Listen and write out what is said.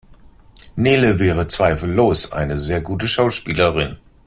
Nele wäre zweifellos eine sehr gute Schauspielerin.